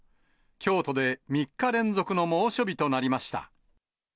京都で３日連続の猛暑日となりました。